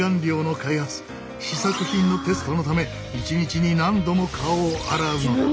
試作品のテストのため一日に何度も顔を洗うのだ。